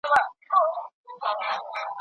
د دوی خبرې او ملاقاتونه څه وخت زیات سي؟